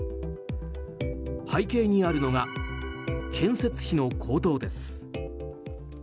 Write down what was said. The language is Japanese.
背景にあるのが建設費の高騰です。